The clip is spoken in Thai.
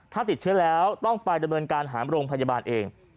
ถ้าติดเชื้อแล้วต้องไปดำเนินการหาโรงพยาบาลเอง